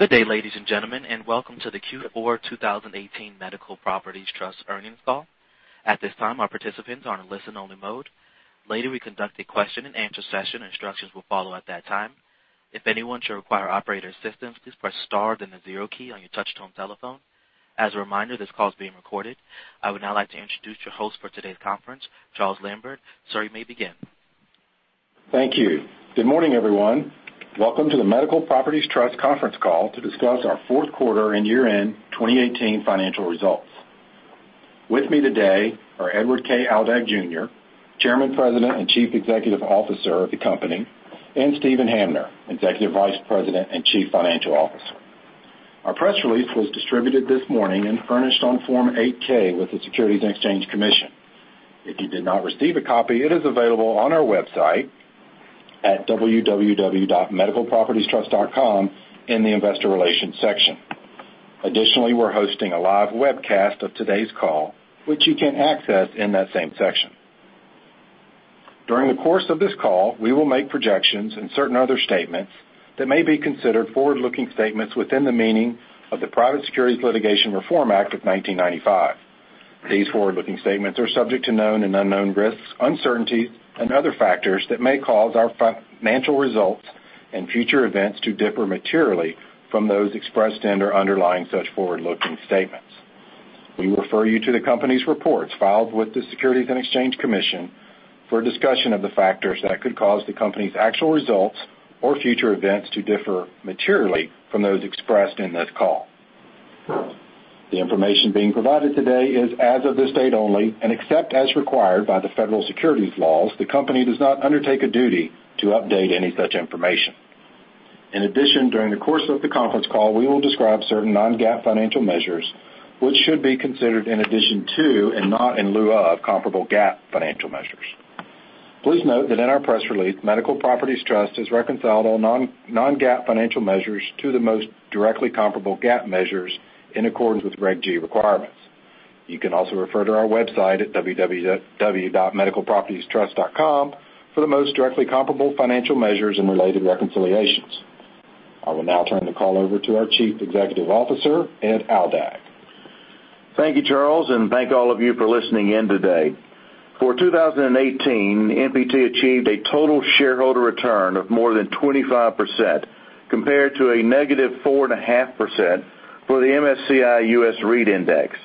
Good day, ladies and gentlemen, and welcome to the Q4 2018 Medical Properties Trust earnings call. At this time, our participants are in listen-only mode. Later, we conduct a question-and-answer session. Instructions will follow at that time. If anyone should require operator assistance, please press star then the zero key on your touchtone telephone. As a reminder, this call is being recorded. I would now like to introduce your host for today's conference, Charles Lambert. Sir, you may begin. Thank you. Good morning, everyone. Welcome to the Medical Properties Trust conference call to discuss our fourth quarter and year-end 2018 financial results. With me today are Edward K. Aldag Jr., Chairman, President, and Chief Executive Officer of the company, and Steven Hamner, Executive Vice President and Chief Financial Officer. Our press release was distributed this morning and furnished on Form 8-K with the Securities and Exchange Commission. If you did not receive a copy, it is available on our website at www.medicalpropertiestrust.com in the investor relations section. Additionally, we're hosting a live webcast of today's call, which you can access in that same section. During the course of this call, we will make projections and certain other statements that may be considered forward-looking statements within the meaning of the Private Securities Litigation Reform Act of 1995. These forward-looking statements are subject to known and unknown risks, uncertainties and other factors that may cause our financial results and future events to differ materially from those expressed and/or underlying such forward-looking statements. We refer you to the company's reports filed with the Securities and Exchange Commission for a discussion of the factors that could cause the company's actual results or future events to differ materially from those expressed in this call. The information being provided today is as of this date only, and except as required by the federal securities laws, the company does not undertake a duty to update any such information. In addition, during the course of the conference call, we will describe certain non-GAAP financial measures which should be considered in addition to, and not in lieu of, comparable GAAP financial measures. Please note that in our press release, Medical Properties Trust has reconciled all non-GAAP financial measures to the most directly comparable GAAP measures in accordance with Reg G requirements. You can also refer to our website at www.medicalpropertiestrust.com for the most directly comparable financial measures and related reconciliations. I will now turn the call over to our Chief Executive Officer, Ed Aldag. Thank you, Charles, and thank all of you for listening in today. For 2018, MPT achieved a total shareholder return of more than 25%, compared to a -4.5% for the MSCI US REIT Index.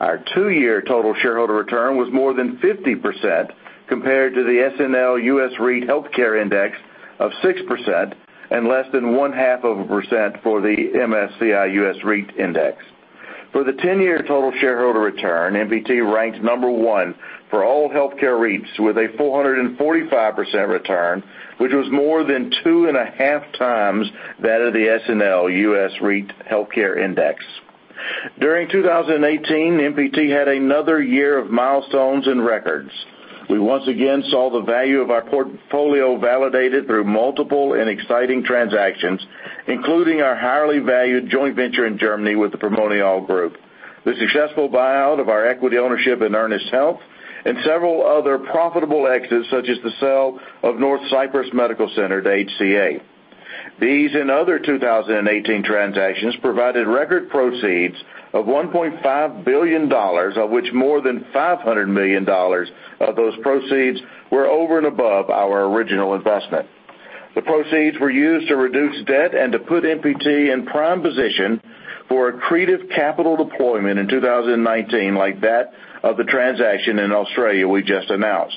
Our two-year total shareholder return was more than 50%, compared to the SNL US REIT Healthcare Index of 6% and less than 0.5% for the MSCI US REIT Index. For the 10-year total shareholder return, MPT ranked number one for all healthcare REITs with a 445% return, which was more than 2.5x that of the SNL US REIT Healthcare Index. During 2018, MPT had another year of milestones and records. We once again saw the value of our portfolio validated through multiple and exciting transactions, including our highly valued joint venture in Germany with the Primonial Group, the successful buyout of our equity ownership in Ernest Health, and several other profitable exits, such as the sale of North Cypress Medical Center to HCA. These and other 2018 transactions provided record proceeds of $1.5 billion, of which more than $500 million of those proceeds were over and above our original investment. The proceeds were used to reduce debt and to put MPT in prime position for accretive capital deployment in 2019, like that of the transaction in Australia we just announced.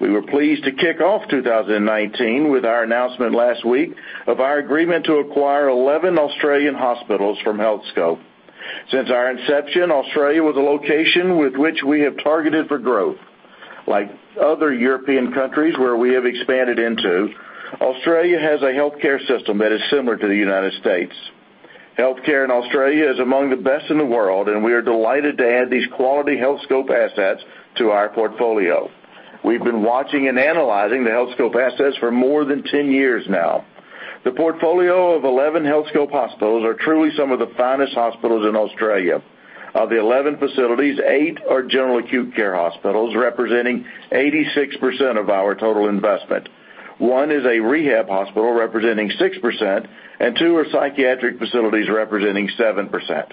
We were pleased to kick off 2019 with our announcement last week of our agreement to acquire 11 Australian hospitals from Healthscope. Since our inception, Australia was a location with which we have targeted for growth. Like other European countries where we have expanded into, Australia has a healthcare system that is similar to the United States. Healthcare in Australia is among the best in the world, and we are delighted to add these quality Healthscope assets to our portfolio. We've been watching and analyzing the Healthscope assets for more than 10 years now. The portfolio of 11 Healthscope hospitals are truly some of the finest hospitals in Australia. Of the 11 facilities, eight are general acute care hospitals, representing 86% of our total investment. One is a rehab hospital representing 6%, and two are psychiatric facilities representing 7%.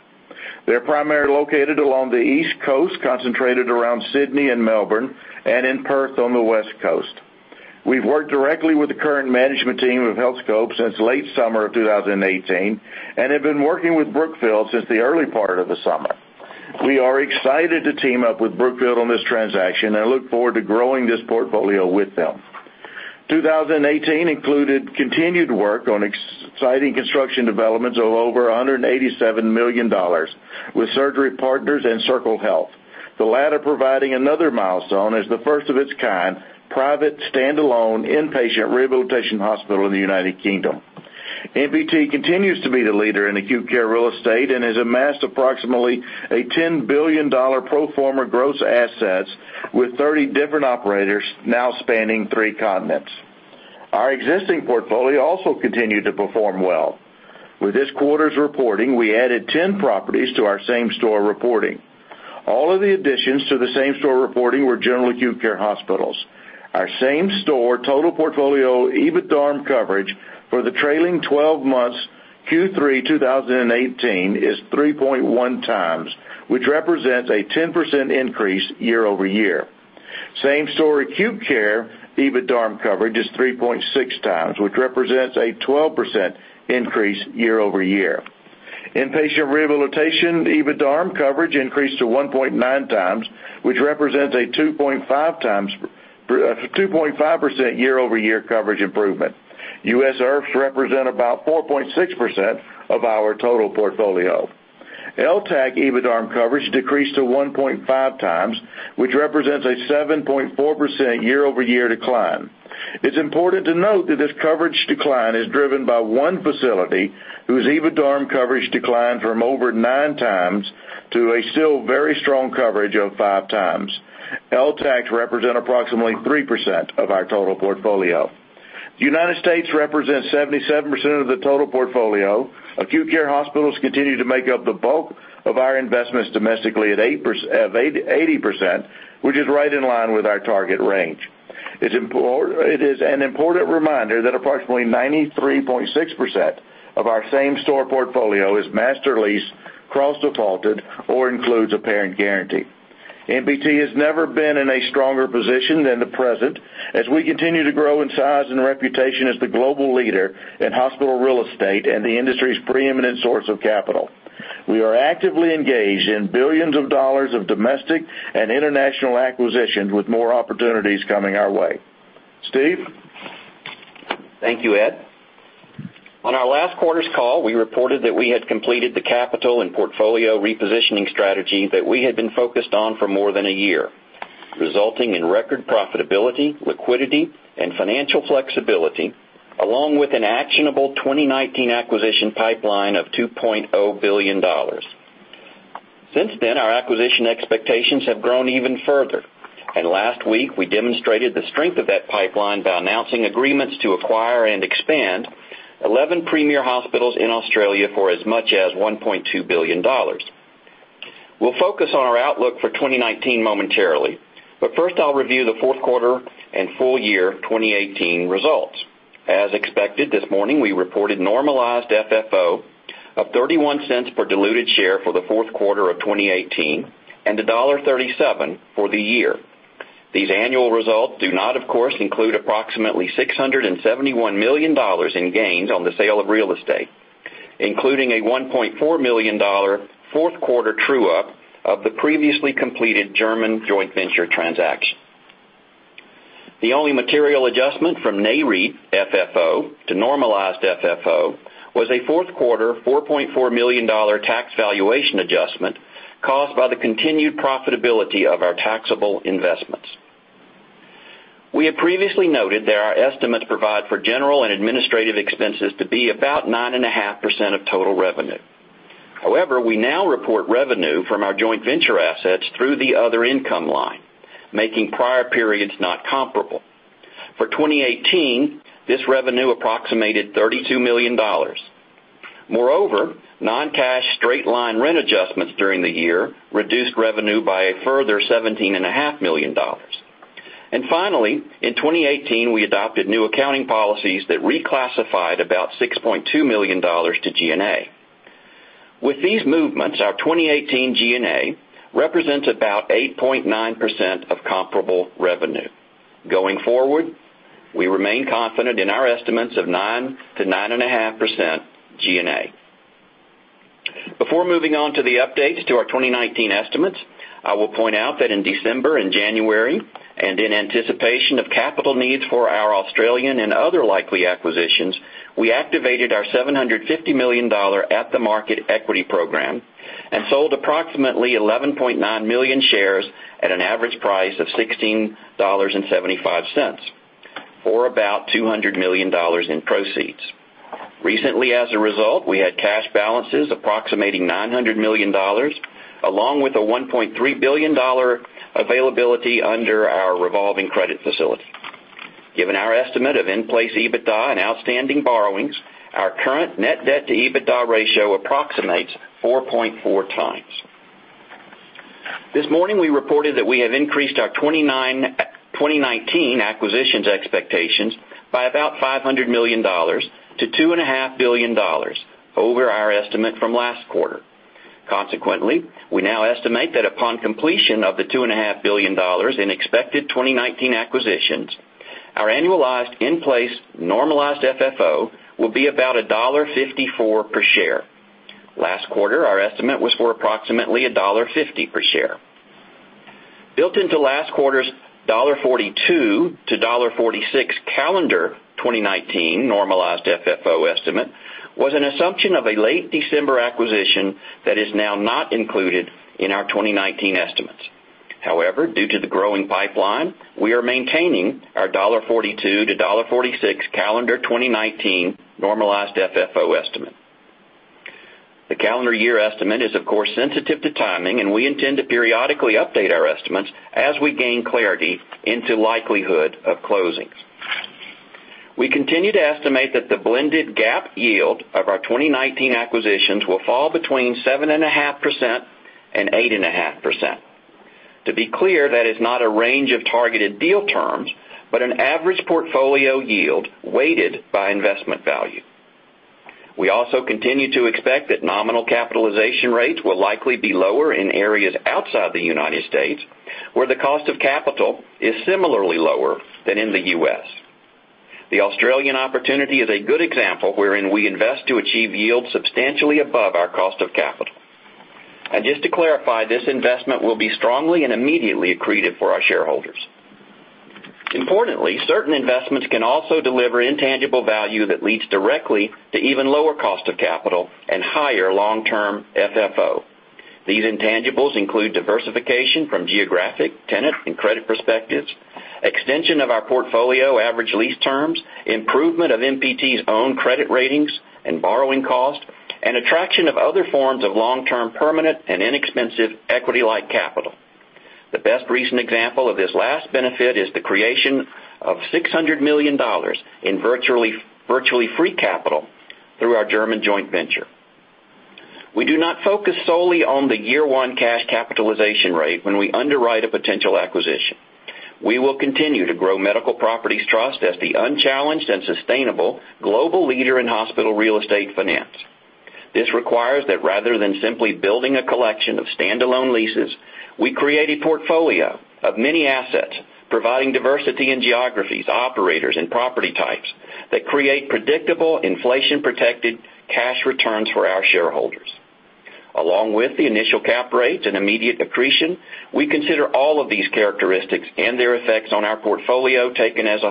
They're primarily located along the East Coast, concentrated around Sydney and Melbourne, and in Perth on the West Coast. We've worked directly with the current management team of Healthscope since late summer of 2018 and have been working with Brookfield since the early part of the summer. We are excited to team up with Brookfield on this transaction and look forward to growing this portfolio with them. 2018 included continued work on exciting construction developments of over $187 million with Surgery Partners and Circle Health, the latter providing another milestone as the first of its kind private, standalone, inpatient rehabilitation hospital in the United Kingdom. MPT continues to be the leader in acute care real estate and has amassed approximately a $10 billion pro forma gross assets with 30 different operators now spanning three continents. Our existing portfolio also continued to perform well. With this quarter's reporting, we added 10 properties to our same-store reporting. All of the additions to the same-store reporting were general acute care hospitals. Our same-store total portfolio EBITDARM coverage for the trailing 12 months Q3 2018 is 3.1x, which represents a 10% increase year-over-year. Same-store acute care EBITDARM coverage is 3.6x, which represents a 12% increase year-over-year. Inpatient rehabilitation EBITDARM coverage increased to 1.9x, which represents a 2.5% year-over-year coverage improvement. U.S. IRFs represent about 4.6% of our total portfolio. LTAC EBITDARM coverage decreased to 1.5x, which represents a 7.4% year-over-year decline. It's important to note that this coverage decline is driven by one facility whose EBITDARM coverage declined from over 9x to a still very strong coverage of 5x. LTACs represent approximately 3% of our total portfolio. The United States represents 77% of the total portfolio. Acute care hospitals continue to make up the bulk of our investments domestically at 80%, which is right in line with our target range. It is an important reminder that approximately 93.6% of our same-store portfolio is master lease, cross-defaulted, or includes a parent guarantee. MPT has never been in a stronger position than the present, as we continue to grow in size and reputation as the global leader in hospital real estate and the industry's preeminent source of capital. We are actively engaged in billions of dollars of domestic and international acquisitions, with more opportunities coming our way. Steve? Thank you, Ed. On our last quarter's call, we reported that we had completed the capital and portfolio repositioning strategy that we had been focused on for more than a year, resulting in record profitability, liquidity, and financial flexibility, along with an actionable 2019 acquisition pipeline of $2.0 billion. Since then, our acquisition expectations have grown even further, and last week, we demonstrated the strength of that pipeline by announcing agreements to acquire and expand 11 premier hospitals in Australia for as much as $1.2 billion. We'll focus on our outlook for 2019 momentarily. First, I'll review the fourth quarter and full year 2018 results. As expected this morning, we reported normalized FFO of $0.31 per diluted share for the fourth quarter of 2018 and $1.37 for the year. These annual results do not, of course, include approximately $671 million in gains on the sale of real estate, including a $1.4 million fourth-quarter true-up of the previously completed German joint venture transaction. The only material adjustment from Nareit FFO to normalized FFO was a fourth quarter $4.4 million tax valuation adjustment caused by the continued profitability of our taxable investments. We have previously noted that our estimates provide for general and administrative expenses to be about 9.5% of total revenue. However, we now report revenue from our joint venture assets through the other income line, making prior periods not comparable. For 2018, this revenue approximated $32 million. Moreover, non-cash straight-line rent adjustments during the year reduced revenue by a further $17.5 million. Finally, in 2018, we adopted new accounting policies that reclassified about $6.2 million to G&A. With these movements, our 2018 G&A represents about 8.9% of comparable revenue. Going forward, we remain confident in our estimates of 9%-9.5% G&A. Before moving on to the updates to our 2019 estimates, I will point out that in December and January, in anticipation of capital needs for our Australian and other likely acquisitions, we activated our $750 million at-the-market equity program and sold approximately 11.9 million shares at an average price of $16.75, for about $200 million in proceeds. Recently, as a result, we had cash balances approximating $900 million, along with a $1.3 billion availability under our revolving credit facility. Given our estimate of in-place EBITDA and outstanding borrowings, our current net debt-to-EBITDA ratio approximates 4.4x. This morning, we reported that we have increased our 2019 acquisitions expectations by about $500 million-$2.5 billion over our estimate from last quarter. Consequently, we now estimate that upon completion of the $2.5 billion in expected 2019 acquisitions, our annualized in-place normalized FFO will be about $1.54 per share. Last quarter, our estimate was for approximately $1.50 per share. Built into last quarter's $1.42-$1.46 calendar 2019 normalized FFO estimate was an assumption of a late December acquisition that is now not included in our 2019 estimates. However, due to the growing pipeline, we are maintaining our $1.42-$1.46 calendar 2019 normalized FFO estimate. The calendar year estimate is, of course, sensitive to timing, and we intend to periodically update our estimates as we gain clarity into likelihood of closings. We continue to estimate that the blended GAAP yield of our 2019 acquisitions will fall between 7.5% and 8.5%. To be clear, that is not a range of targeted deal terms, but an average portfolio yield weighted by investment value. We also continue to expect that nominal capitalization rates will likely be lower in areas outside the United States, where the cost of capital is similarly lower than in the U.S. The Australian opportunity is a good example wherein we invest to achieve yields substantially above our cost of capital. Just to clarify, this investment will be strongly and immediately accretive for our shareholders. Importantly, certain investments can also deliver intangible value that leads directly to even lower cost of capital and higher long-term FFO. These intangibles include diversification from geographic, tenant, and credit perspectives, extension of our portfolio average lease terms, improvement of MPT's own credit ratings and borrowing cost, and attraction of other forms of long-term permanent and inexpensive equity-like capital. The best recent example of this last benefit is the creation of $600 million in virtually free capital through our German joint venture. We do not focus solely on the year one cash capitalization rate when we underwrite a potential acquisition. We will continue to grow Medical Properties Trust as the unchallenged and sustainable global leader in hospital real estate finance. This requires that rather than simply building a collection of stand-alone leases, we create a portfolio of many assets, providing diversity in geographies, operators, and property types that create predictable inflation-protected cash returns for our shareholders. Along with the initial cap rates and immediate accretion, we consider all of these characteristics and their effects on our portfolio taken as a